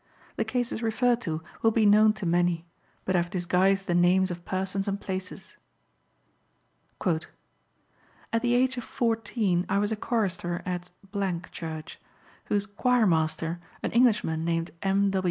The cases referred to will be known to many, but I have disguised the names of persons and places: "At the age of 14 I was a chorister at church, whose choirmaster, an Englishman named M.